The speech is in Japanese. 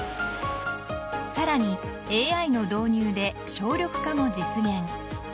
さらに、ＡＩの導入で省力化も実現。